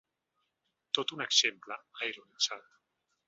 “Tot un exemple”, ha ironitzat.